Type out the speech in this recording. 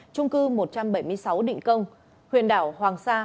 trung cư một trăm bảy mươi sáu định công huyện đảo hoàng sa